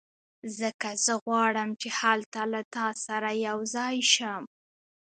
ځکه زه غواړم چې هلته له تا سره یو ځای شم